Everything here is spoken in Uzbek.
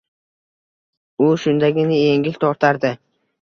U shundagina yengil tortardi.